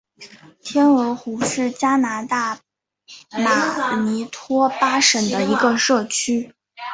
天鹅河是加拿大马尼托巴省的一个社区。